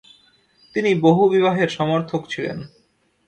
তিনি বহুবিবাহের সমর্থক ছিলেন।